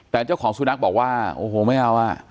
แต่เจ้าของสุนัขบอกว่าโอ้โหไม่เอาอ่ะ